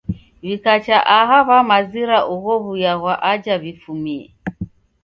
W'ikacha aha w'amazira ugho w'uya ghwa aja w'ifumie.